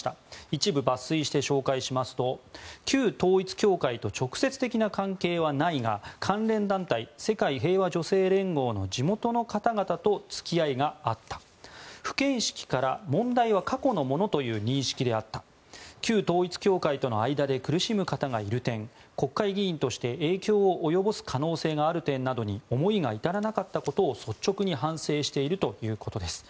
一部抜粋して紹介しますと旧統一教会と直接的な関係はないが関連団体、世界平和女性連合の地元の方々と付き合いがあった不見識から問題は過去のものという認識であった旧統一教会との間で苦しむ方がいる点国会議員として影響を及ぼす可能性がある点などに思いが至らなかったことを率直に反省しているということです。